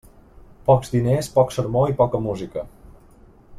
Pocs diners, poc sermó i poca música.